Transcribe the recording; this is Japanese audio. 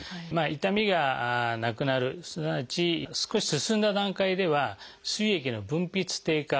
痛みがなくなるすなわち少し進んだ段階ではすい液の分泌低下